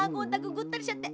ぐったりしちゃって。